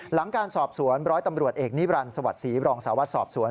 หลังการสอบสวนร้อยตำรวจเอกนิรันดิสวัสดิศรีรองสาววัดสอบสวน